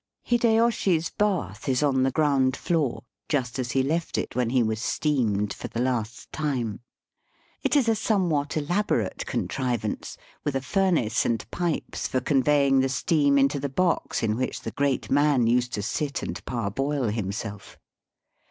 Hideyoshi's bath is on the ground floor, just as he left it when he was steamed for the last time. It is a somewhat elaborate con trivance, with a furnace and pipes for con veying the steam into the box in which the great man used to sit and parboil himself.